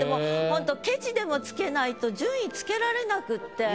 ホントケチでもつけないと順位つけられなくって。